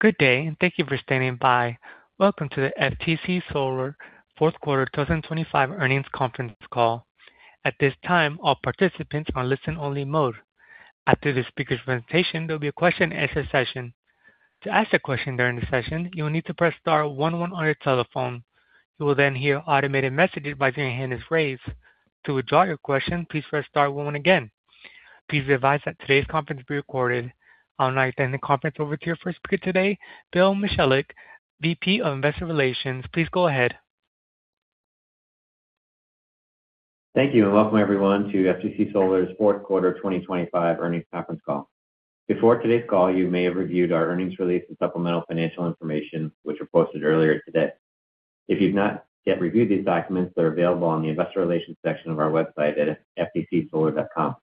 Good day, and thank you for standing by. Welcome to the FTC Solar Fourth Quarter 2025 earnings conference call. At this time, all participants are in listen-only mode. After the speaker's presentation, there'll be a question-and-answer session. To ask a question during the session, you will need to press star one one on your telephone. You will then hear automated messages advising your hand is raised. To withdraw your question, please press star one one again. Please be advised that today's conference will be recorded. I'll now hand the conference over to your first speaker today, Bill Michalek, VP of Investor Relations. Please go ahead. Thank you. Welcome everyone to FTC Solar's fourth quarter 2025 earnings conference call. Before today's call, you may have reviewed our earnings release and supplemental financial information, which were posted earlier today. If you've not yet reviewed these documents, they're available on the investor relations section of our website at ftcsolar.com.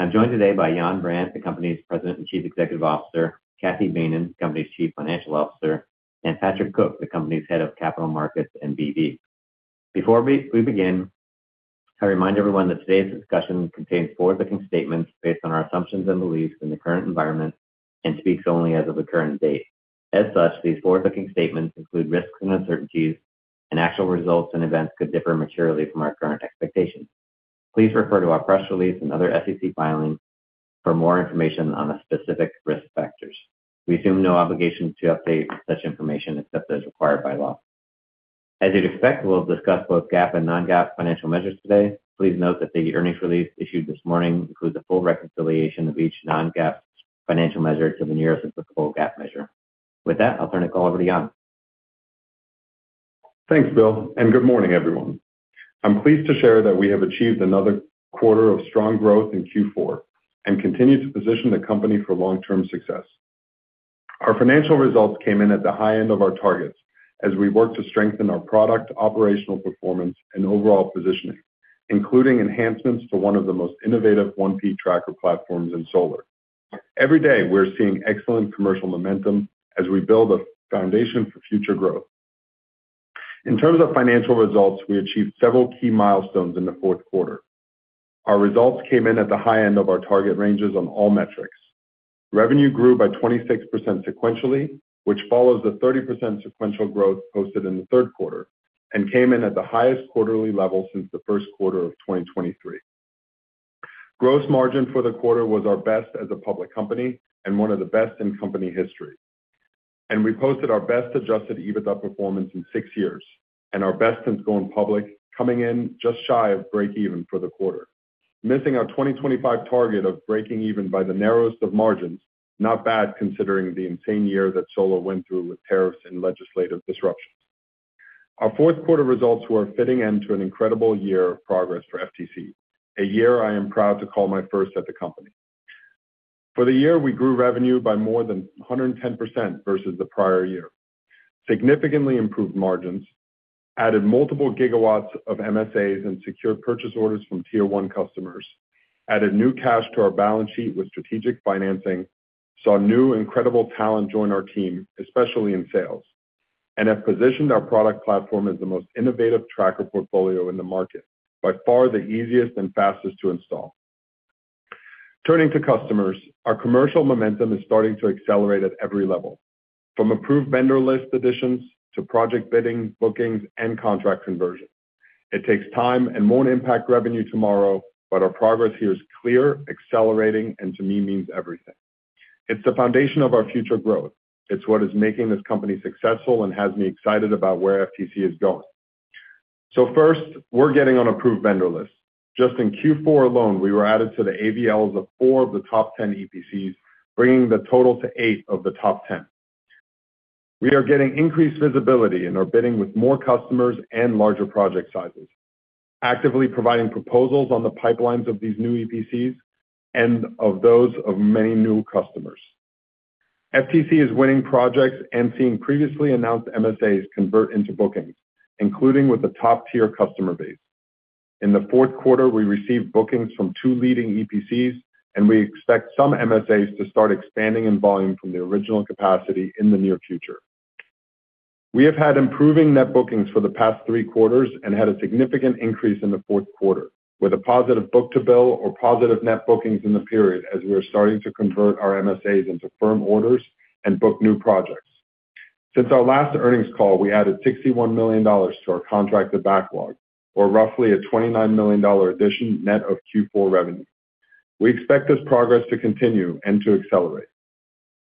I'm joined today by Yann Brandt, the company's President and Chief Executive Officer, Cathy Behnen, the company's Chief Financial Officer, and Patrick Cook, the company's Head of Capital Markets and Business Development. Before we begin, I remind everyone that today's discussion contains forward-looking statements based on our assumptions and beliefs in the current environment and speaks only as of the current date. These forward-looking statements include risks and uncertainties. Actual results and events could differ materially from our current expectations. Please refer to our press release and other SEC filings for more information on the specific risk factors. We assume no obligation to update such information except as required by law. As you'd expect, we'll discuss both GAAP and non-GAAP financial measures today. Please note that the earnings release issued this morning includes a full reconciliation of each non-GAAP financial measure to the nearest applicable GAAP measure. With that, I'll turn the call over to Jan. Thanks, Bill, and good morning, everyone. I'm pleased to share that we have achieved another quarter of strong growth in Q4 and continue to position the company for long-term success. Our financial results came in at the high end of our targets as we work to strengthen our product, operational performance, and overall positioning, including enhancements to one of the most innovative 1P tracker platforms in solar. Every day, we're seeing excellent commercial momentum as we build a foundation for future growth. In terms of financial results, we achieved several key milestones in the fourth quarter. Our results came in at the high end of our target ranges on all metrics. Revenue grew by 26% sequentially, which follows the 30% sequential growth posted in the third quarter and came in at the highest quarterly level since the first quarter of 2023. Gross margin for the quarter was our best as a public company and one of the best in company history. We posted our best-adjusted EBITDA performance in six years and our best since going public, coming in just shy of break even for the quarter. Missing our 2025 target of break-even by the narrowest of margins, not bad considering the insane year that solar went through with tariffs and legislative disruptions. Our fourth quarter results were a fitting end to an incredible year of progress for FTC, a year I am proud to call my first at the company. For the year, we grew revenue by more than 110% versus the prior year, significantly improved margins, added multiple gigawatts of MSAs and secured purchase orders from tier one customers, added new cash to our balance sheet with strategic financing, saw new incredible talent join our team, especially in sales, and have positioned our product platform as the most innovative tracker portfolio in the market, by far the easiest and fastest to install. Turning to customers, our commercial momentum is starting to accelerate at every level, from approved vendor list additions to project bidding, bookings, and contract conversions. It takes time and won't impact revenue tomorrow, but our progress here is clear, accelerating, and to me means everything. It's the foundation of our future growth. It's what is making this company successful and has me excited about where FTC is going. First, we're getting on approved vendor lists. Just in Q4 alone, we were added to the AVLs of 4 of the top 10 EPCs, bringing the total to 8 of the top 10. We are getting increased visibility and are bidding with more customers and larger project sizes, actively providing proposals on the pipelines of these new EPCs and of those of many new customers. FTC is winning projects and seeing previously announced MSAs convert into bookings, including with the top-tier customer base. In the fourth quarter, we received bookings from 2 leading EPCs, and we expect some MSAs to start expanding in volume from the original capacity in the near future. We have had improving net bookings for the past 3 quarters and had a significant increase in the 4th quarter, with a positive book-to-bill or positive net bookings in the period as we are starting to convert our MSAs into firm orders and book new projects. Since our last earnings call, we added $61 million to our contracted backlog, or roughly a $29 million addition net of Q4 revenue. We expect this progress to continue and to accelerate.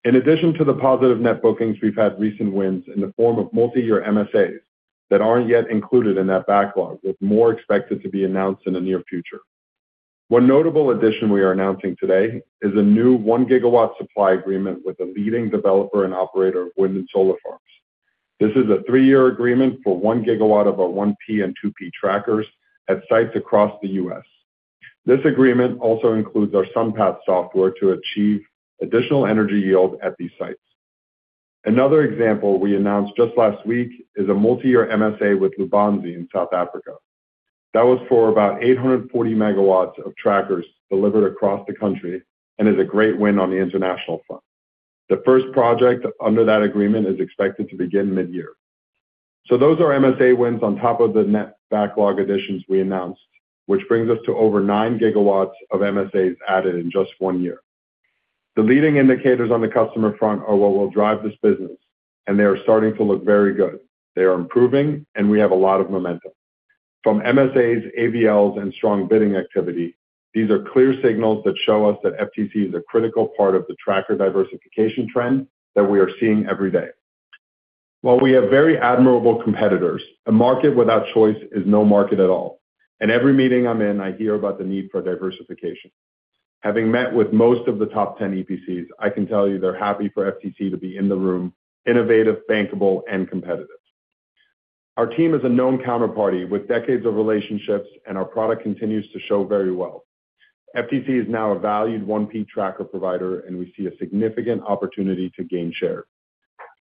In addition to the positive net bookings, we've had recent wins in the form of multi-year MSAs that aren't yet included in that backlog, with more expected to be announced in the near future. One notable addition we are announcing today is a new 1 gigawatt supply agreement with a leading developer and operator of wind and solar farms. This is a 3-year agreement for 1 gigawatt of our 1P and 2P trackers at sites across the U.S. This agreement also includes our SUNPATH software to achieve additional energy yield at these sites. Another example we announced just last week is a multi-year MSA with Lubanzi in South Africa. That was for about 840 megawatts of trackers delivered across the country and is a great win on the international front. The first project under that agreement is expected to begin mid-year. Those are MSA wins on top of the net backlog additions we announced, which brings us to over 9 gigawatts of MSAs added in just 1 year. The leading indicators on the customer front are what will drive this business. They are starting to look very good. They are improving. We have a lot of momentum. From MSAs, ABLs, and strong bidding activity, these are clear signals that show us that FTC is a critical part of the tracker diversification trend that we are seeing every day. While we have very admirable competitors, a market without choice is no market at all, and every meeting I'm in, I hear about the need for diversification. Having met with most of the top 10 EPCs, I can tell you they're happy for FTC to be in the room, innovative, bankable, and competitive. Our team is a known counterparty with decades of relationships, and our product continues to show very well. FTC is now a valued 1P tracker provider, and we see a significant opportunity to gain share.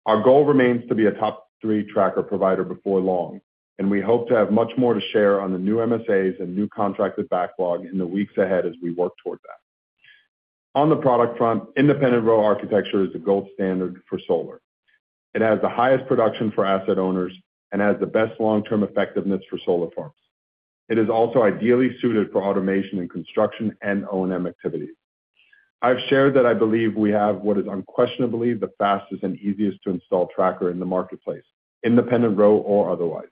Our goal remains to be a top three tracker provider before long. We hope to have much more to share on the new MSAs and new contracted backlog in the weeks ahead as we work toward that. On the product front, independent row architecture is the gold standard for solar. It has the highest production for asset owners and has the best long-term effectiveness for solar farms. It is also ideally suited for automation and construction and O&M activities. I've shared that I believe we have what is unquestionably the fastest and easiest to install tracker in the marketplace, independent row or otherwise.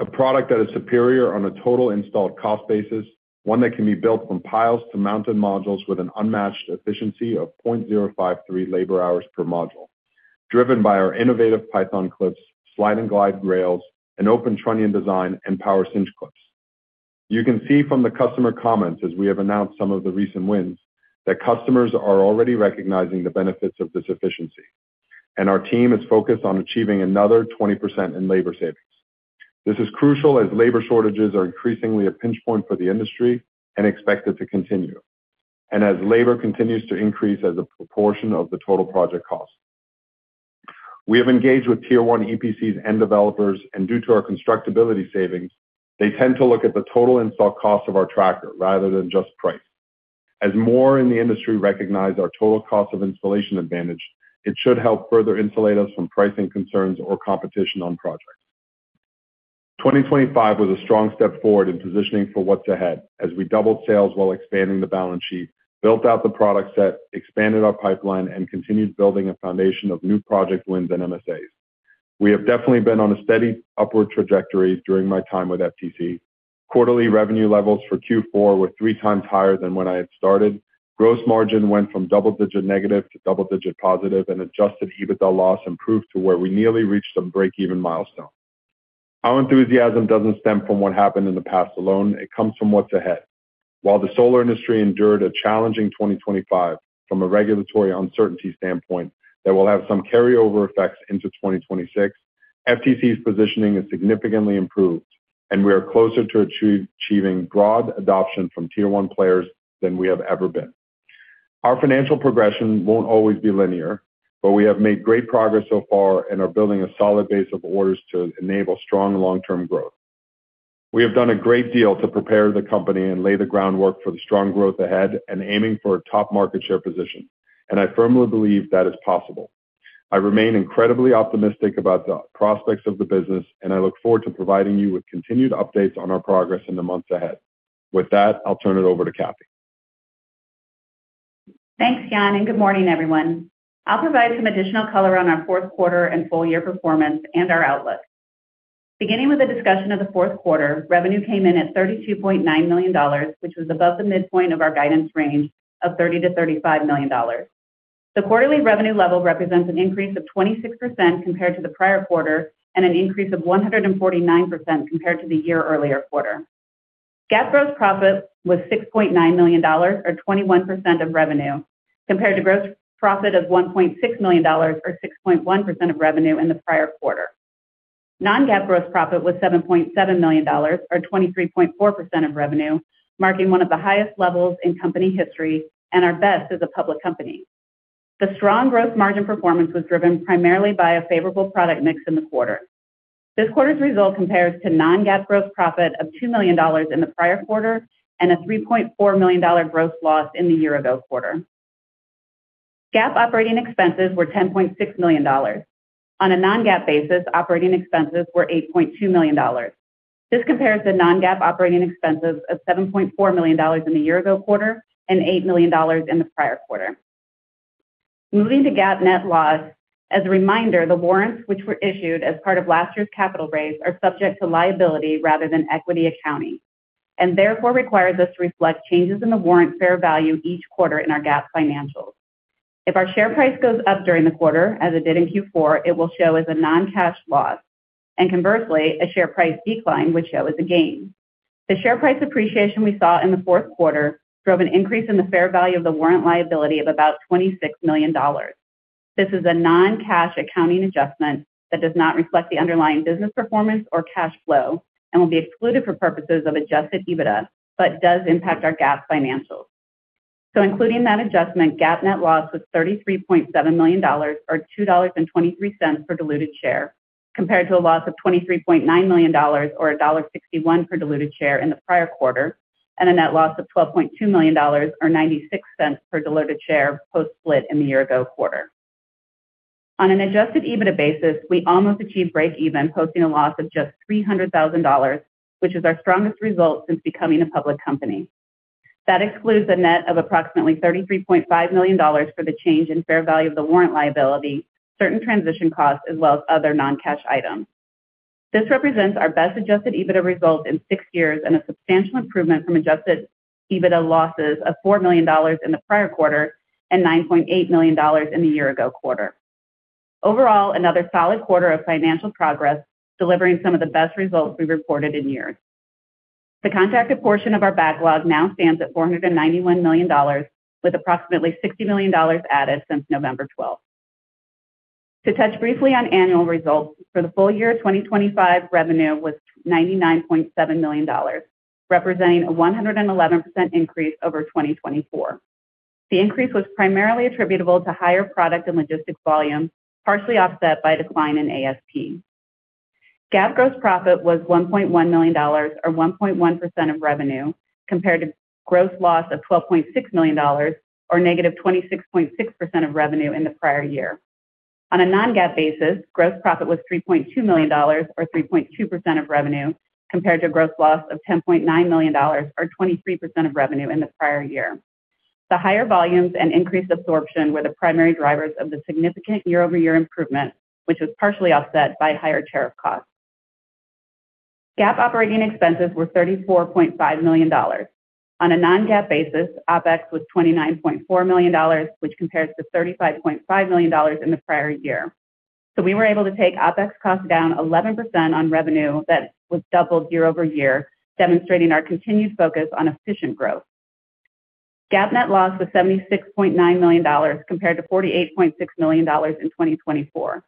A product that is superior on a total installed cost basis, one that can be built from piles to mounted modules with an unmatched efficiency of 0.053 labor hours per module, driven by our innovative Python Clips, slide-and-glide rails, an open trunnion design, and power cinch clips. You can see from the customer comments, as we have announced some of the recent wins, that customers are already recognizing the benefits of this efficiency. Our team is focused on achieving another 20% in labor savings. This is crucial as labor shortages are increasingly a pinch point for the industry and expected to continue, and as labor continues to increase as a proportion of the total project cost. We have engaged with tier one EPCs and developers, and due to our constructability savings, they tend to look at the total install cost of our tracker rather than just price. As more in the industry recognize our total cost of installation advantage, it should help further insulate us from pricing concerns or competition on projects. 2025 was a strong step forward in positioning for what's ahead as we doubled sales while expanding the balance sheet, built out the product set, expanded our pipeline, and continued building a foundation of new project wins and MSAs. We have definitely been on a steady upward trajectory during my time with FTC. Quarterly revenue levels for Q4 were three times higher than when I had started. Gross margin went from double-digit negative to double-digit positive and adjusted EBITDA loss improved to where we nearly reached some breakeven milestone. Our enthusiasm doesn't stem from what happened in the past alone, it comes from what's ahead. While the solar industry endured a challenging 2025 from a regulatory uncertainty standpoint that will have some carryover effects into 2026, FTC's positioning has significantly improved, and we are closer to achieving broad adoption from tier one players than we have ever been. Our financial progression won't always be linear, but we have made great progress so far and are building a solid base of orders to enable strong long-term growth. We have done a great deal to prepare the company and lay the groundwork for the strong growth ahead and aiming for a top market share position, and I firmly believe that is possible. I remain incredibly optimistic about the prospects of the business, and I look forward to providing you with continued updates on our progress in the months ahead. With that, I'll turn it over to Kathy. Thanks, Yann, Good morning, everyone. I'll provide some additional color on our fourth quarter and full year performance and our outlook. Beginning with a discussion of the fourth quarter, revenue came in at $32.9 million, which was above the midpoint of our guidance range of $30 million-$35 million. The quarterly revenue level represents an increase of 26% compared to the prior quarter and an increase of 149% compared to the year earlier quarter. GAAP gross profit was $6.9 million or 21% of revenue, compared to gross profit of $1.6 million or 6.1% of revenue in the prior quarter. non-GAAP gross profit was $7.7 million or 23.4% of revenue, marking one of the highest levels in company history and our best as a public company. The strong growth margin performance was driven primarily by a favorable product mix in the quarter. This quarter's result compares to non-GAAP gross profit of $2 million in the prior quarter and a $3.4 million gross loss in the year ago quarter. GAAP operating expenses were $10.6 million. On a non-GAAP basis, operating expenses were $8.2 million. This compares to non-GAAP operating expenses of $7.4 million in the year ago quarter and $8 million in the prior quarter. Moving to GAAP net loss, as a reminder, the warrants which were issued as part of last year's capital raise are subject to liability rather than equity accounting, and therefore requires us to reflect changes in the warrant fair value each quarter in our GAAP financials. If our share price goes up during the quarter, as it did in Q4, it will show as a non-cash loss, and conversely, a share price decline would show as a gain. The share price appreciation we saw in the fourth quarter drove an increase in the fair value of the warrant liability of about $26 million. This is a non-cash accounting adjustment that does not reflect the underlying business performance or cash flow and will be excluded for purposes of adjusted EBITDA, but does impact our GAAP financials. Including that adjustment, GAAP net loss was $33.7 million or $2.23 per diluted share, compared to a loss of $23.9 million or $1.61 per diluted share in the prior quarter. A net loss of $12.2 million or $0.96 per diluted share post-split in the year ago quarter. On an adjusted EBITDA basis, we almost achieved breakeven, posting a loss of just $300,000, which is our strongest result since becoming a public company. That excludes a net of approximately $33.5 million for the change in fair value of the warrant liability, certain transition costs, as well as other non-cash items. This represents our best adjusted EBITDA result in 6 years and a substantial improvement from adjusted EBITDA losses of $4 million in the prior quarter and $9.8 million in the year-ago quarter. Overall, another solid quarter of financial progress, delivering some of the best results we've reported in years. The contracted portion of our backlog now stands at $491 million, with approximately $60 million added since November 12th. To touch briefly on annual results, for the full year 2025 revenue was $99.7 million, representing a 111% increase over 2024. The increase was primarily attributable to higher product and logistics volume, partially offset by decline in ASP. GAAP gross profit was $1.1 million or 1.1% of revenue, compared to gross loss of $12.6 million or negative 26.6% of revenue in the prior year. On a non-GAAP basis, gross profit was $3.2 million or 3.2% of revenue, compared to a gross loss of $10.9 million or 23% of revenue in the prior year. The higher volumes and increased absorption were the primary drivers of the significant year-over-year improvement, which was partially offset by higher tariff costs. GAAP operating expenses were $34.5 million. On a non-GAAP basis, OpEx was $29.4 million, which compares to $35.5 million in the prior year. We were able to take OpEx costs down 11% on revenue that was doubled year-over-year, demonstrating our continued focus on efficient growth. GAAP net loss was $76.9 million compared to $48.6 million in 2024.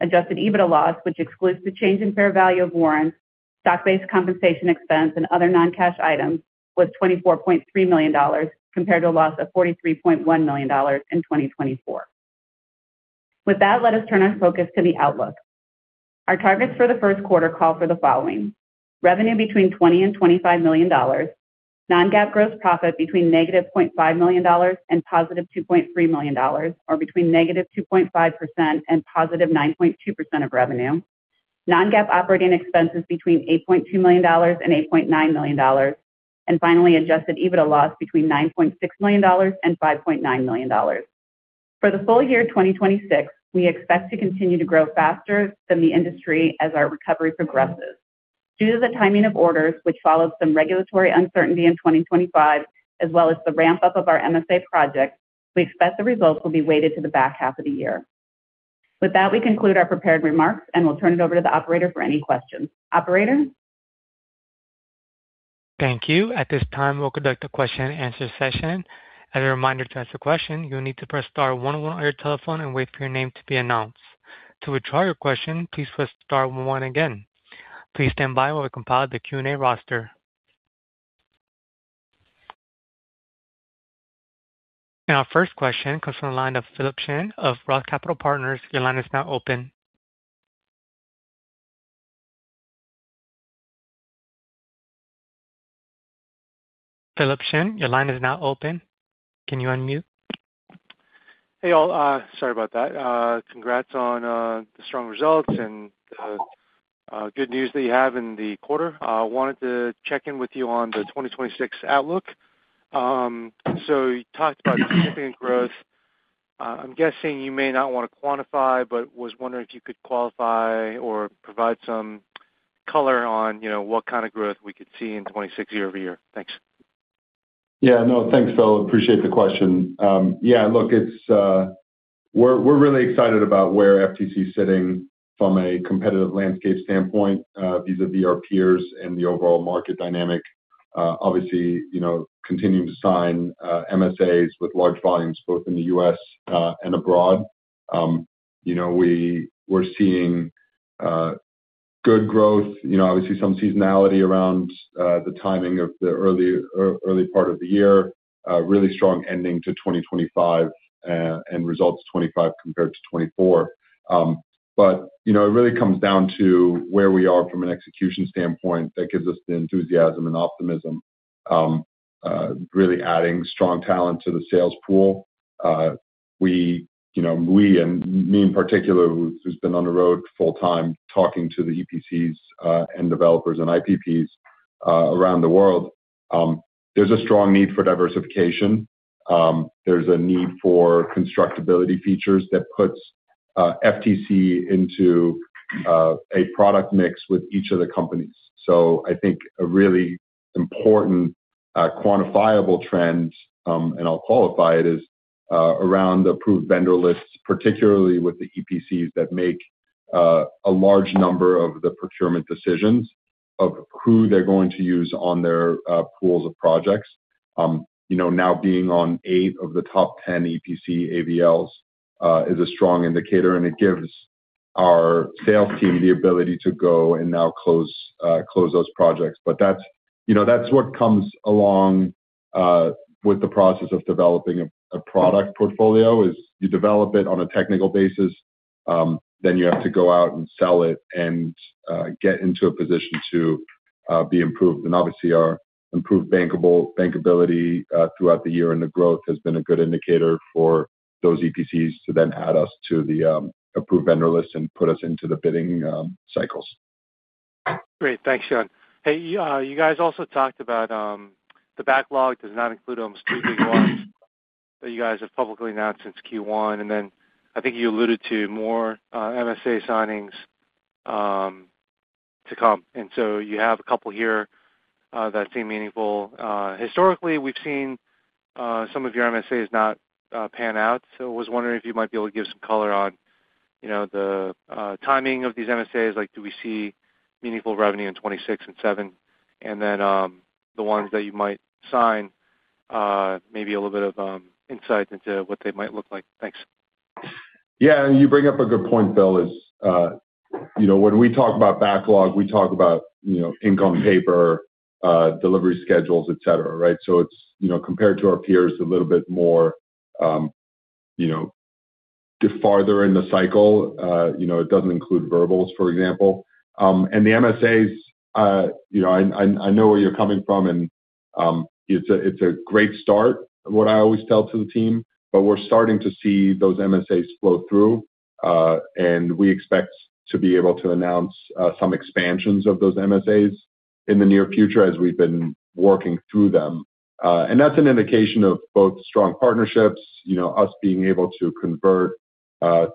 Adjusted EBITDA loss, which excludes the change in fair value of warrants, stock-based compensation expense, and other non-cash items, was $24.3 million compared to a loss of $43.1 million in 2024. With that, let us turn our focus to the outlook. Our targets for the first quarter call for the following: revenue between $20 million-$25 million, non-GAAP gross profit between -$0.5 million and +$2.3 million or between -2.5% and +9.2% of revenue. Non-GAAP operating expenses between $8.2 million and $8.9 million. Adjusted EBITDA loss between $9.6 million and $5.9 million. For the full year 2026, we expect to continue to grow faster than the industry as our recovery progresses. Due to the timing of orders, which followed some regulatory uncertainty in 2025, as well as the ramp-up of our MSA projects, we expect the results will be weighted to the back half of the year. We conclude our prepared remarks, and we'll turn it over to the operator for any questions. Operator? Thank you. At this time, we'll conduct a question and answer session. As a reminder, to ask a question, you'll need to press star 11 on your telephone and wait for your name to be announced. To withdraw your question, please press star 11 again. Please stand by while we compile the Q&A roster. First question comes from the line of Philip Shen of ROTH Capital Partners. Your line is now open. Philip Shen, your line is now open. Can you unmute? Hey, all. Sorry about that. Congrats on the strong results and good news that you have in the quarter. I wanted to check in with you on the 2026 outlook. You talked about significant growth. I'm guessing you may not want to quantify, but was wondering if you could qualify or provide some color on, you know, what kind of growth we could see in 2026 year-over-year. Thanks. Yeah, no, thanks, Phil. Appreciate the question. Yeah, look, it's, we're really excited about where FTC is sitting from a competitive landscape standpoint, vis-a-vis our peers and the overall market dynamic. Obviously, you know, continuing to sign MSAs with large volumes both in the U.S. and abroad. You know, we're seeing good growth, you know, obviously some seasonality around the timing of the early part of the year. Really strong ending to 2025 and results 2025 compared to 2024. You know, it really comes down to where we are from an execution standpoint that gives us the enthusiasm and optimism, really adding strong talent to the sales pool. We, you know, we and me in particular, who's been on the road full time talking to the EPCs and developers and IPPs around the world, there's a strong need for diversification. There's a need for constructability features that puts FTC into a product mix with each of the companies. I think a really important quantifiable trend, and I'll qualify it, is around the approved vendor lists, particularly with the EPCs that make a large number of the procurement decisions of who they're going to use on their pools of projects. You know, now being on 8 of the top 10 EPC AVL's is a strong indicator, and it gives our sales team the ability to go and now close those projects. That's, you know, that's what comes along with the process of developing a product portfolio, is you develop it on a technical basis. Then you have to go out and sell it and get into a position to be approved. Obviously our improved bankability throughout the year and the growth has been a good indicator for those EPCs to then add us to the approved vendor list and put us into the bidding cycles. Great. Thanks, Sean. Hey, you guys also talked about the backlog does not include two big ones that you guys have publicly announced since Q1. I think you alluded to more MSA signings to come. You have a couple here that seem meaningful. Historically, we've seen some of your MSAs not pan out. I was wondering if you might be able to give some color on, you know, the timing of these MSAs. Like, do we see meaningful revenue in 2026 and 2027? The ones that you might sign, maybe a little bit of insight into what they might look like. Thanks. Yeah. You bring up a good point, Bill, is, you know, when we talk about backlog, we talk about, you know, ink on paper, delivery schedules, et cetera, right? It's, you know, compared to our peers a little bit more, you know, farther in the cycle. You know, it doesn't include verbals, for example. The MSAs, you know, I know where you're coming from, and it's a, it's a great start, what I always tell to the team, but we're starting to see those MSAs flow through. We expect to be able to announce some expansions of those MSAs in the near future as we've been working through them. That's an indication of both strong partnerships, you know, us being able to convert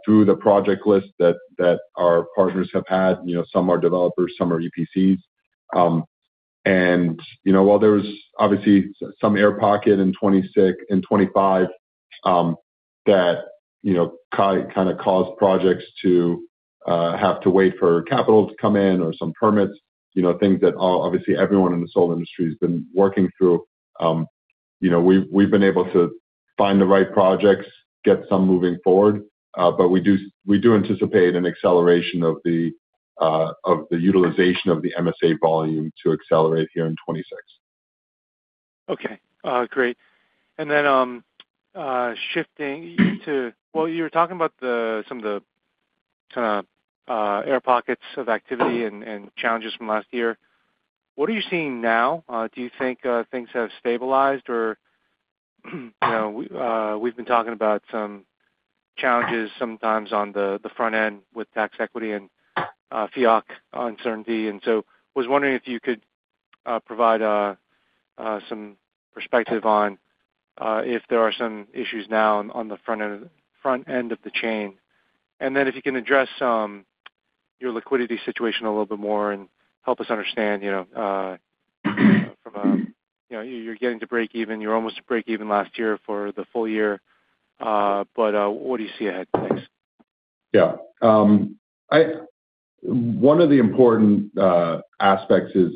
through the project list that our partners have had. You know, some are developers, some are EPCs. And, you know, while there was obviously some air pocket in 2025, that, you know, kind of caused projects to have to wait for capital to come in or some permits, you know, things that obviously everyone in the solar industry has been working through. You know, we've been able to find the right projects, get some moving forward, but we do anticipate an acceleration of the utilization of the MSA volume to accelerate here in 2026. Okay. great. Well, you were talking about some of the kind of air pockets of activity and challenges from last year. What are you seeing now? Do you think things have stabilized or, you know, we've been talking about some challenges sometimes on the front end with tax equity and FIOC uncertainty. I was wondering if you could provide some perspective on if there are some issues now on the front end of the chain. If you can address your liquidity situation a little bit more and help us understand, you know, You know, you're getting to breakeven. You're almost to breakeven last year for the full year. What do you see ahead? Thanks. Yeah. One of the important aspects is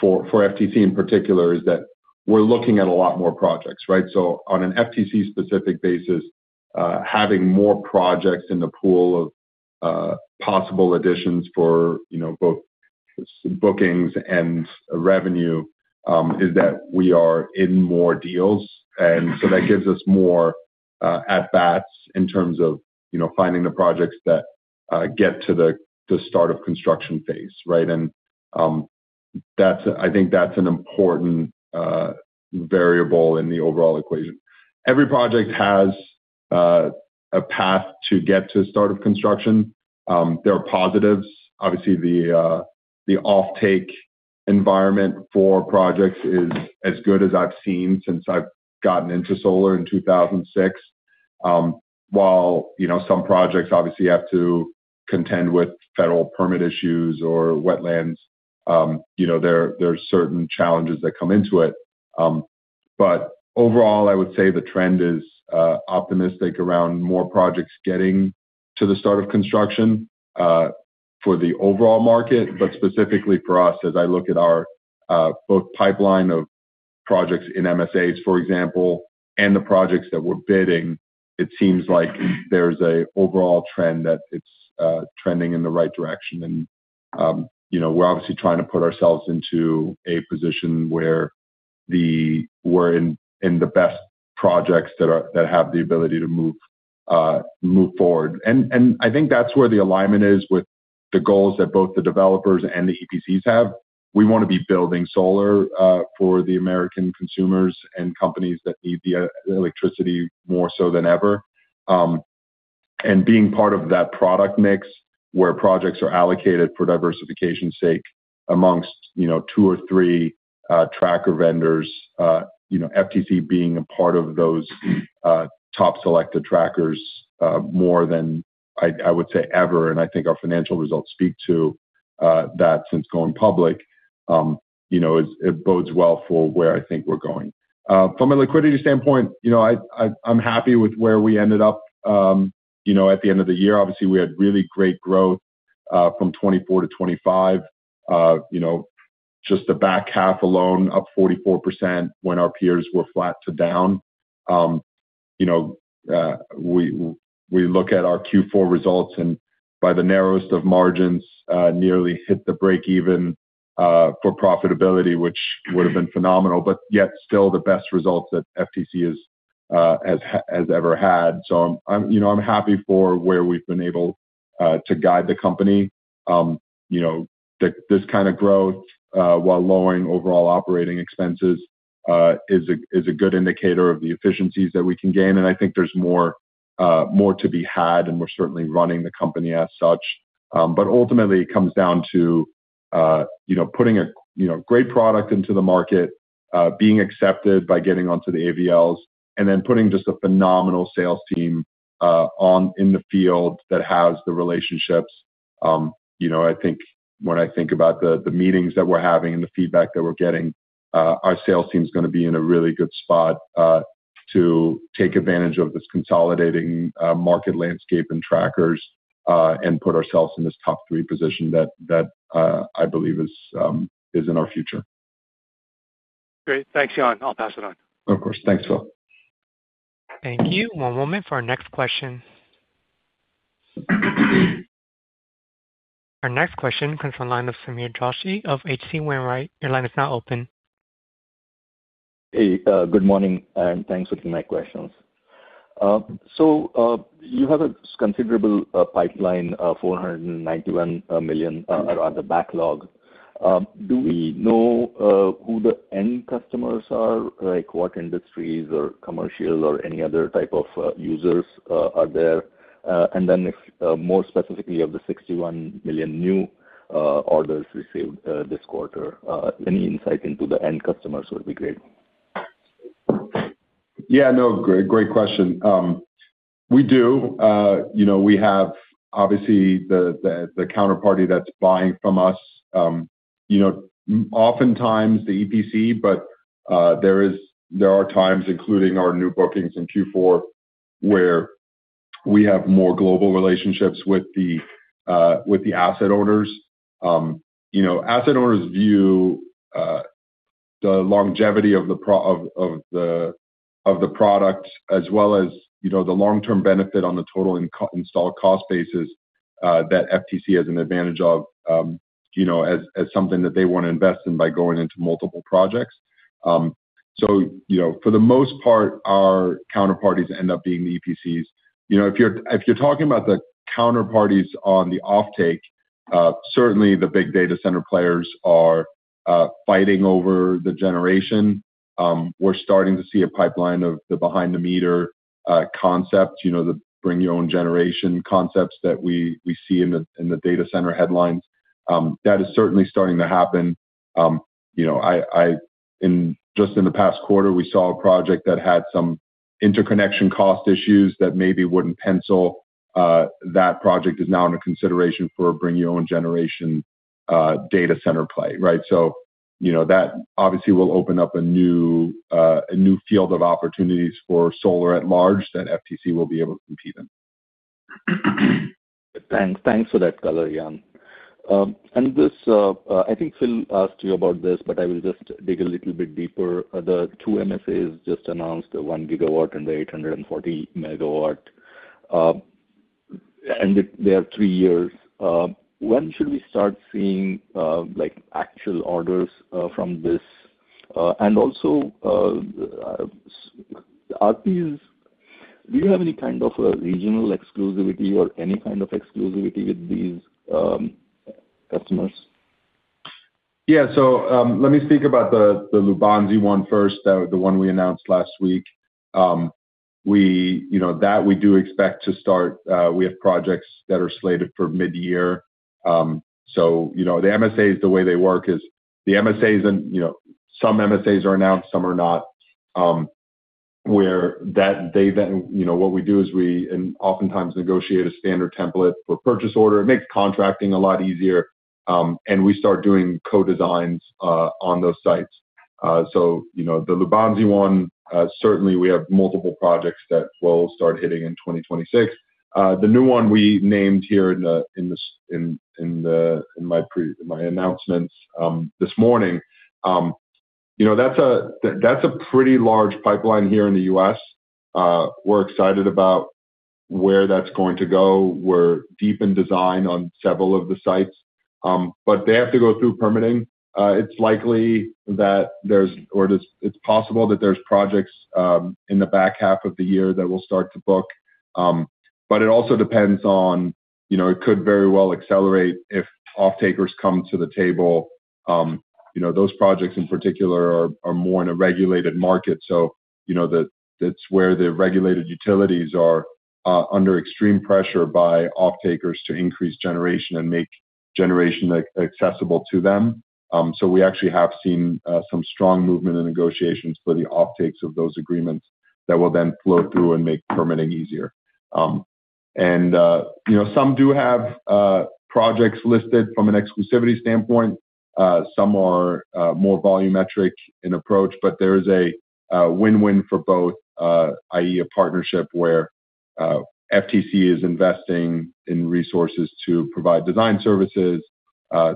for FTC in particular, is that we're looking at a lot more projects, right? On an FTC specific basis, having more projects in the pool of possible additions for, you know, both bookings and revenue, is that we are in more deals. That gives us more at bats in terms of, you know, finding the projects that get to the start of construction phase, right? I think that's an important variable in the overall equation. Every project has a path to get to start of construction. There are positives. Obviously, the offtake environment for projects is as good as I've seen since I've gotten into solar in 2006. While, you know, some projects obviously have to contend with federal permit issues or wetlands, you know, there are certain challenges that come into it. Overall, I would say the trend is optimistic around more projects getting to the start of construction for the overall market, but specifically for us, as I look at our both pipeline of projects in MSAs, for example, and the projects that we're bidding, it seems like there's a overall trend that it's trending in the right direction. You know, we're obviously trying to put ourselves into a position where we're in the best projects that have the ability to move forward. I think that's where the alignment is with the goals that both the developers and the EPCs have. We want to be building solar for the American consumers and companies that need the electricity more so than ever. Being part of that product mix where projects are allocated for diversification sake amongst, you know, 2 or 3 tracker vendors, you know, FTC being a part of those top selected trackers, more than I would say ever, and I think our financial results speak to that since going public, you know, it bodes well for where I think we're going. From a liquidity standpoint, you know, I, I'm happy with where we ended up, you know, at the end of the year. Obviously, we had really great growth from 2024 to 2025. Just the back half alone up 44% when our peers were flat to down. you know, we look at our Q4 results and-By the narrowest of margins, nearly hit the breakeven for profitability, which would have been phenomenal, but yet still the best results that FTC is has ever had. I'm, you know, I'm happy for where we've been able to guide the company. you know, this kind of growth while lowering overall operating expenses is a good indicator of the efficiencies that we can gain, and I think there's more to be had, and we're certainly running the company as such. ultimately, it comes down to, you know, putting a, you know, great product into the market, being accepted by getting onto the AVLs, and then putting just a phenomenal sales team in the field that has the relationships. You know, I think when I think about the meetings that we're having and the feedback that we're getting, our sales team's gonna be in a really good spot, to take advantage of this consolidating, market landscape and trackers, and put ourselves in this top three position that, I believe is in our future. Great. Thanks, Jan. I'll pass it on. Of course. Thanks, Phil. Thank you. One moment for our next question. Our next question comes from the line of Sameer Joshi of H.C. Wainwright. Your line is now open. Hey, good morning, and thanks for taking my questions. You have a considerable pipeline, $491 million, the backlog. Do we know who the end customers are? Like, what industries or commercials or any other type of users are there? If, more specifically of the $61 million new orders received this quarter, any insight into the end customers would be great. Yeah, no, great question. We do. You know, we have obviously the, the counterparty that's buying from us. You know, oftentimes the EPC, but there are times, including our new bookings in Q4, where we have more global relationships with the, with the asset owners. You know, asset owners view the longevity of the product as well as, you know, the long-term benefit on the total install cost basis, that FTC has an advantage of, you know, as something that they wanna invest in by going into multiple projects. For the most part, our counterparties end up being the EPCs. You know, if you're, if you're talking about the counterparties on the offtake, certainly the big data center players are fighting over the generation. We're starting to see a pipeline of the behind-the-meter concept, you know, the bring-your-own-generation concepts that we see in the data center headlines. That is certainly starting to happen. You know, just in the past quarter, we saw a project that had some interconnection cost issues that maybe wouldn't pencil. That project is now under consideration for a bring-your-own-generation data center play, right? You know, that obviously will open up a new field of opportunities for solar at large that FTC will be able to compete in. Thanks. Thanks for that color, Yann. This, I think Philip asked you about this, but I will just dig a little bit deeper. The 2 MSAs just announced, the 1 gigawatt and the 840 megawatt. They are 3 years. When should we start seeing, like, actual orders, from this? Also, do you have any kind of regional exclusivity or any kind of exclusivity with these customers? Let me speak about the Lubanzi one first, the one we announced last week. We, you know, that we do expect to start, we have projects that are slated for mid-year. The MSAs, the way they work is the MSAs and, you know, some MSAs are announced, some are not, where that they then, you know, what we do is we and oftentimes negotiate a standard template for purchase order. It makes contracting a lot easier, and we start doing co-designs on those sites. The Lubanzi one, certainly we have multiple projects that will start hitting in 2026. The new one we named here in the, in this, in the, in my announcements this morning, you know, that's a, that's a pretty large pipeline here in the U.S. We're excited about where that's going to go. We're deep in design on several of the sites. They have to go through permitting. It's likely that there's it's possible that there's projects in the back half of the year that will start to book. It also depends on, you know, it could very well accelerate if offtakers come to the table. You know, those projects, in particular, are more in a regulated market. You know, that's where the regulated utilities are under extreme pressure by offtakers to increase generation and make generation accessible to them. We actually have seen some strong movement in negotiations for the offtakes of those agreements that will then flow through and make permitting easier. You know, some do have projects listed from an exclusivity standpoint. Some are more volumetric in approach, but there is a win-win for both, i.e., a partnership where FTC is investing in resources to provide design services,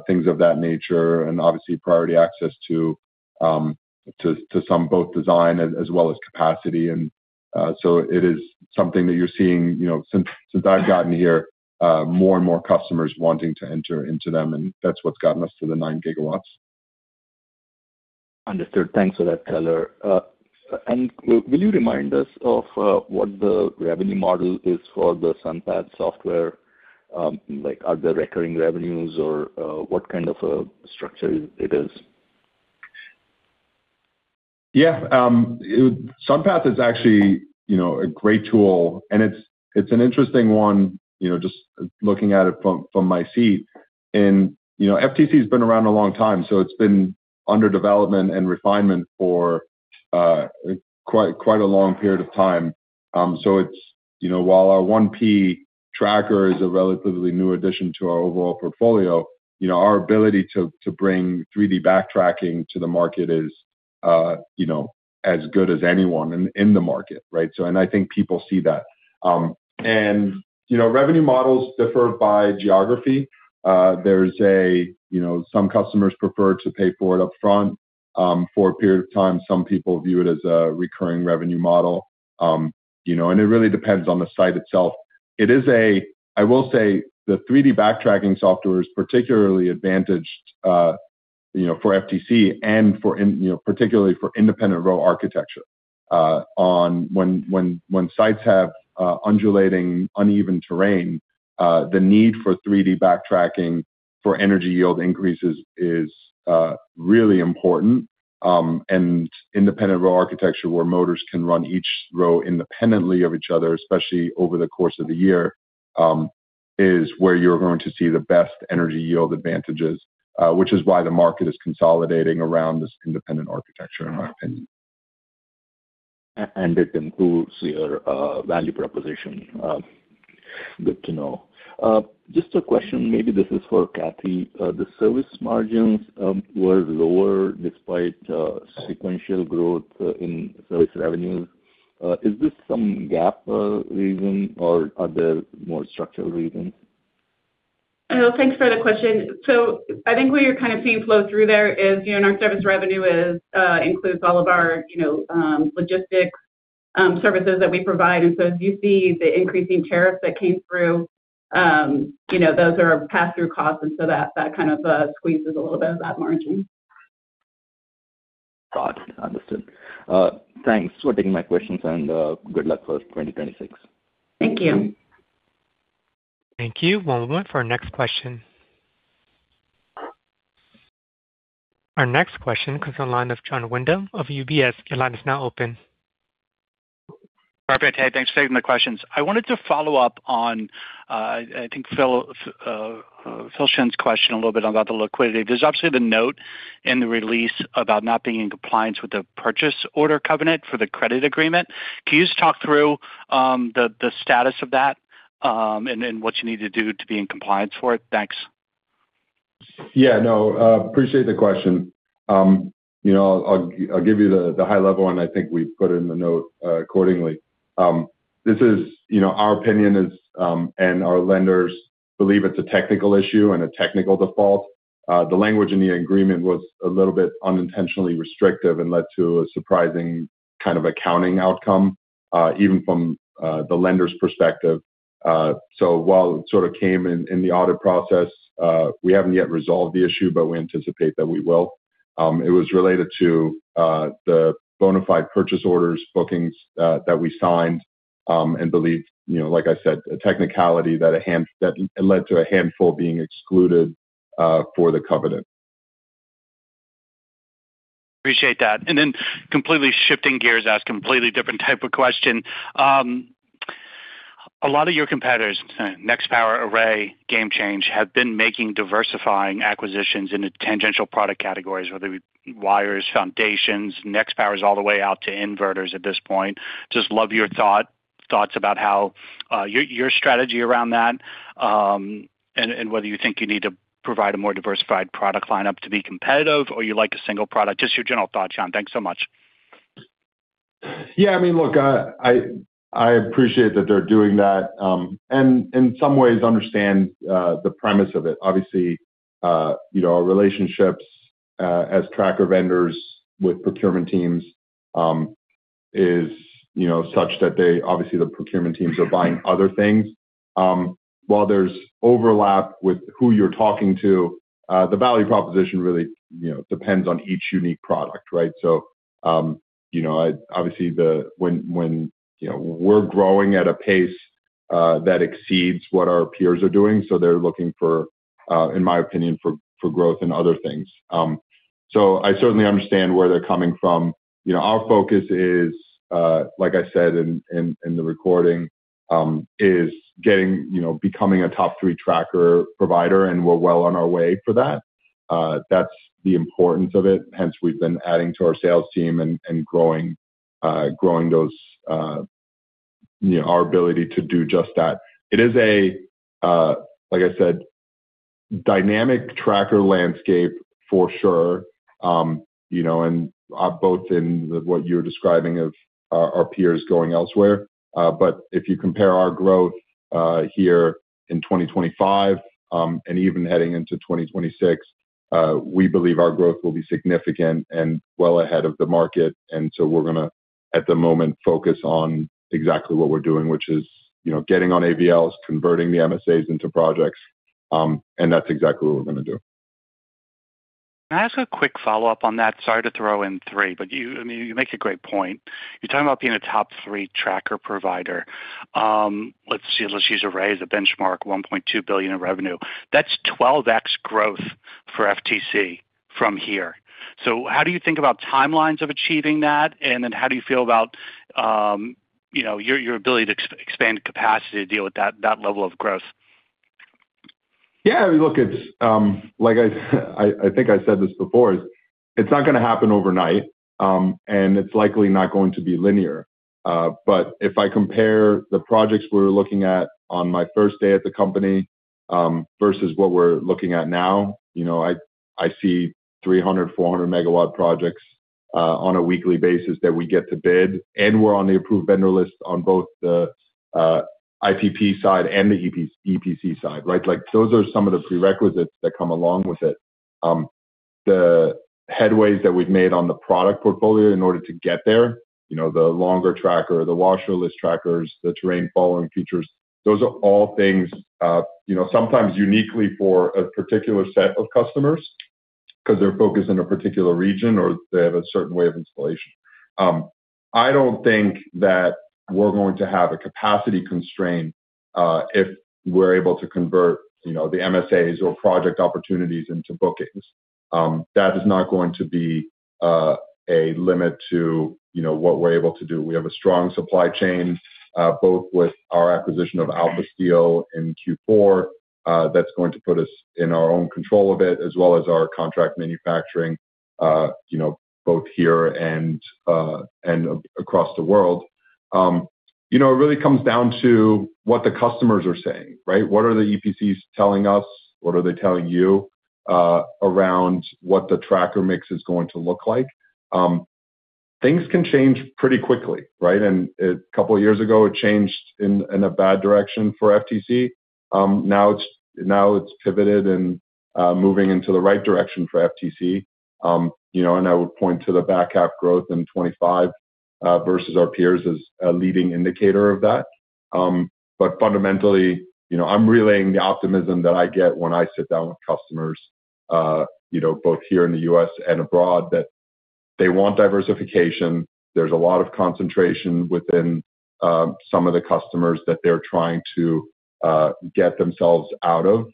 things of that nature, and obviously priority access to some both design as well as capacity. It is something that you're seeing, you know, since I've gotten here, more and more customers wanting to enter into them, and that's what's gotten us to the 9 gigawatts. Understood. Thanks for that, Tyler. Will you remind us of what the revenue model is for the SUNPATH software? Like are there recurring revenues or what kind of a structure it is? Yeah. SUNPATH is actually, you know, a great tool, and it's an interesting one, you know, just looking at it from my seat. You know, FTC has been around a long time, so it's been under development and refinement for quite a long period of time. So it's, you know, while our 1P tracker is a relatively new addition to our overall portfolio, you know, our ability to bring 3D backtracking to the market is, you know, as good as anyone in the market, right? I think people see that. You know, revenue models differ by geography. There's a, you know, some customers prefer to pay for it upfront for a period of time. Some people view it as a recurring revenue model. you know, it really depends on the site itself. It is I will say the 3D backtracking software is particularly advantaged, you know, for FTC and for in, you know, particularly for independent row architecture. When sites have undulating uneven terrain, the need for 3D backtracking for energy yield increases is really important. Independent row architecture where motors can run each row independently of each other, especially over the course of the year, is where you're going to see the best energy yield advantages, which is why the market is consolidating around this independent architecture, in my opinion. It improves your value proposition. Good to know. Just a question, maybe this is for Cathy. The service margins were lower despite sequential growth in service revenue. Is this some GAAP reason or are there more structural reasons? Thanks for the question. I think what you're kind of seeing flow through there is, you know, and our service revenue is, includes all of our, you know, logistics, services that we provide. As you see the increasing tariffs that came through, you know, those are pass-through costs and so that kind of squeezes a little bit of that margin. Got it. Understood. Thanks for taking my questions and, good luck for 2026. Thank you. Thank you. One moment for our next question. Our next question comes from the line of Jon Windham of UBS. Your line is now open. Perfect. Hey, thanks for taking the questions. I wanted to follow up on, I think Philip Shen's question a little bit about the liquidity. There's obviously the note in the release about not being in compliance with the purchase order covenant for the credit agreement. Can you just talk through the status of that, and then what you need to do to be in compliance for it? Thanks. Yeah, no, appreciate the question. You know, I'll give you the high level, and I think we put it in the note accordingly. This is, you know, our opinion is, and our lenders believe it's a technical issue and a technical default. The language in the agreement was a little bit unintentionally restrictive and led to a surprising kind of accounting outcome, even from the lender's perspective. While it sort of came in the audit process, we haven't yet resolved the issue, but we anticipate that we will. It was related to the bona fide purchase orders, bookings, that we signed, and believed, you know, like I said, a technicality that led to a handful being excluded for the covenant. Appreciate that. Then completely shifting gears, ask completely different type of question. A lot of your competitors, NextPower, Array, GameChange, have been making diversifying acquisitions into tangential product categories, whether it be wires, foundations. NextPower is all the way out to inverters at this point. Just love your thoughts about how your strategy around that, and whether you think you need to provide a more diversified product lineup to be competitive or you like a single product. Just your general thought, Jon. Thanks so much. Yeah. I mean, look, I appreciate that they're doing that, and in some ways understand the premise of it. Obviously, you know, our relationships as tracker vendors with procurement teams is, you know, such that obviously the procurement teams are buying other things. While there's overlap with who you're talking to, the value proposition really, you know, depends on each unique product, right? You know, obviously when, you know, we're growing at a pace that exceeds what our peers are doing, so they're looking for, in my opinion, for growth in other things. I certainly understand where they're coming from. You know, our focus is, like I said in, in the recording, is getting, you know, becoming a top 3 tracker provider, and we're well on our way for that. That's the importance of it, hence we've been adding to our sales team and growing those, you know, our ability to do just that. It is a, like I said, dynamic tracker landscape for sure, you know, both in what you're describing of our peers going elsewhere. If you compare our growth here in 2025, even heading into 2026, we believe our growth will be significant and well ahead of the market. We're gonna, at the moment, focus on exactly what we're doing, which is, you know, getting on AVLs, converting the MSAs into projects. that's exactly what we're gonna do. Can I ask a quick follow-up on that? Sorry to throw in three, but I mean, you make a great point. You're talking about being a top three tracker provider. Let's see, let's use Array as a benchmark, $1.2 billion in revenue. That's 12x growth for FTC from here. How do you think about timelines of achieving that, and then how do you feel about, you know, your ability to expand capacity to deal with that level of growth? Look, it's, I think I said this before, it's not gonna happen overnight, and it's likely not going to be linear. If I compare the projects we were looking at on my first day at the company, versus what we're looking at now, you know, I see 300, 400 megawatt projects, on a weekly basis that we get to bid, and we're on the approved vendor list on both the IPP side and the EPC side, right? Like, those are some of the prerequisites that come along with it. The headways that we've made on the product portfolio in order to get there, you know, the longer tracker, the washerless trackers, the terrain-following features, those are all things, you know, sometimes uniquely for a particular set of customers because they're focused in a particular region or they have a certain way of installation. I don't think that we're going to have a capacity constraint if we're able to convert, you know, the MSAs or project opportunities into bookings. That is not going to be a limit to, you know, what we're able to do. We have a strong supply chain, both with our acquisition of Alpha Steel in Q4, that's going to put us in our own control of it, as well as our contract manufacturing, you know, both here and across the world. You know, it really comes down to what the customers are saying, right? What are the EPCs telling us? What are they telling you, around what the tracker mix is going to look like? Things can change pretty quickly, right? A couple of years ago, it changed in a bad direction for FTC. Now it's pivoted and moving into the right direction for FTC. You know, I would point to the back half growth in 25 versus our peers as a leading indicator of that. Fundamentally, you know, I'm relaying the optimism that I get when I sit down with customers, you know, both here in the U.S. and abroad, that they want diversification. There's a lot of concentration within some of the customers that they're trying to get themselves out of.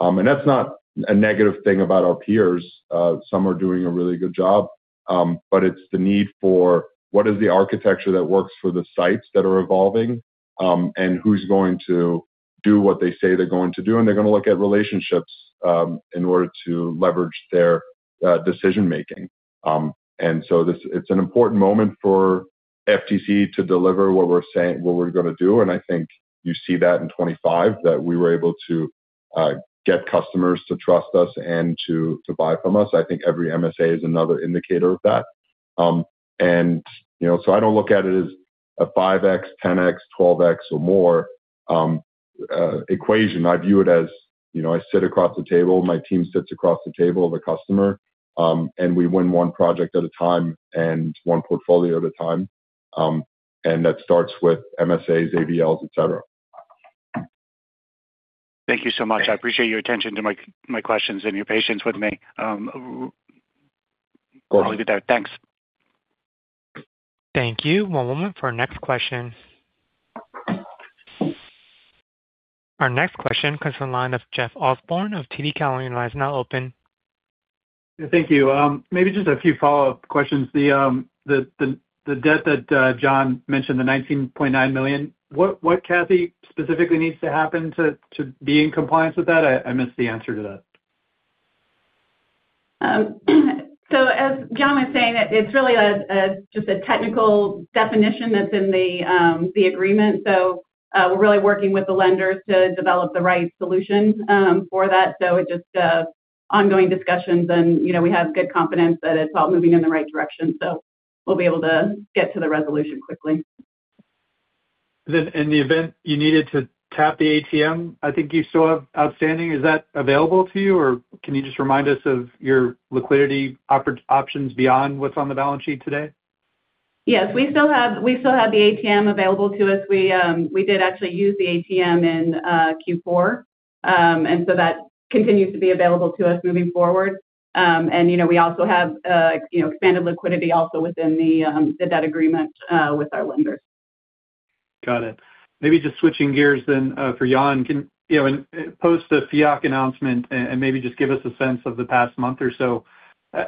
That's not a negative thing about our peers. Some are doing a really good job, but it's the need for what is the architecture that works for the sites that are evolving, and who's going to do what they say they're going to do. They're going to look at relationships, in order to leverage their decision-making. It's an important moment for FTC to deliver what we're gonna do. I think you see that in 25, that we were able to get customers to trust us and to buy from us. I think every MSA is another indicator of that. You know, so I don't look at it as a 5x, 10x, 12x or more equation. I view it as, you know, I sit across the table, my team sits across the table of a customer, and we win one project at a time and one portfolio at a time. That starts with MSAs, AVLs, et cetera. Thank you so much. I appreciate your attention to my questions and your patience with me. Of course. I'll leave it there. Thanks. Thank you. One moment for our next question. Our next question comes from the line of Jeff Osborne of TD Cowen. Your line is now open. Thank you. Maybe just a few follow-up questions. The debt that Jon mentioned, the $19.9 million, what Cathy specifically needs to happen to be in compliance with that? I missed the answer to that. As Jon was saying, it's really just a technical definition that's in the agreement. We're really working with the lenders to develop the right solution for that. It's just ongoing discussions and, you know, we have good confidence that it's all moving in the right direction, so we'll be able to get to the resolution quickly. In the event you needed to tap the ATM, I think you still have outstanding. Is that available to you or can you just remind us of your liquidity options beyond what's on the balance sheet today? Yes. We still have the ATM available to us. We did actually use the ATM in Q4. That continues to be available to us moving forward. You know, we also have, you know, expanded liquidity also within the debt agreement with our lenders. Got it. Maybe just switching gears then, for Yann. You know, post the FIOC announcement and maybe just give us a sense of the past month or so,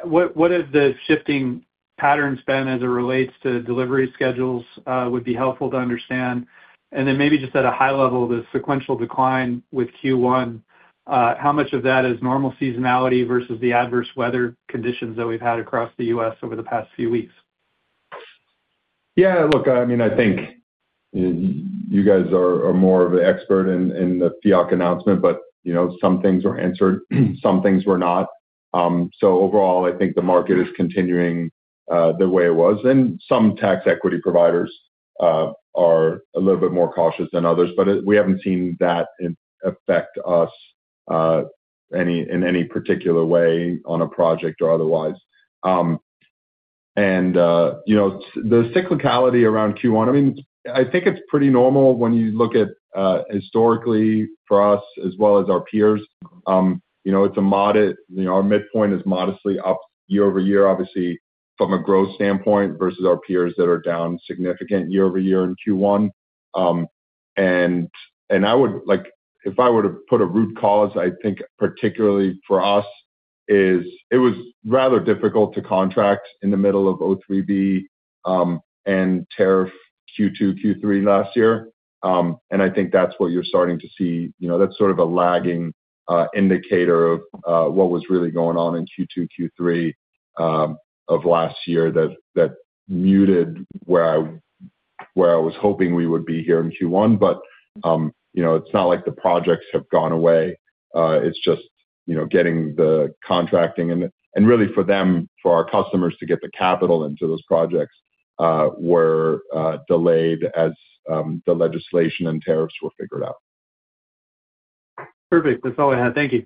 what has the shifting pattern been as it relates to delivery schedules, would be helpful to understand. Then maybe just at a high level, the sequential decline with Q1, how much of that is normal seasonality versus the adverse weather conditions that we've had across the U.S. over the past few weeks? Look, I mean, I think you guys are more of an expert in the FIOC announcement, but, you know, some things were answered, some things were not. Overall, I think the market is continuing the way it was. Some tax equity providers are a little bit more cautious than others, but we haven't seen that affect us in any particular way on a project or otherwise. You know, the cyclicality around Q1, I mean, I think it's pretty normal when you look at historically for us as well as our peers. You know, our midpoint is modestly up year-over-year, obviously from a growth standpoint versus our peers that are down significant year-over-year in Q1. Like, if I were to put a root cause, I think particularly for us is it was rather difficult to contract in the middle of OBBB and tariff Q2, Q3 last year. I think that's what you're starting to see. You know, that's sort of a lagging indicator of what was really going on in Q2, Q3 of last year that muted where I was hoping we would be here in Q1. You know, it's not like the projects have gone away. It's just, you know, getting the contracting and really for them, for our customers to get the capital into those projects were delayed as the legislation and tariffs were figured out. Perfect. That's all I had. Thank you.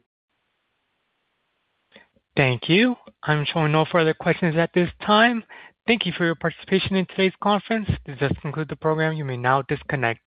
Thank you. I'm showing no further questions at this time. Thank you for your participation in today's conference. This does conclude the program. You may now disconnect.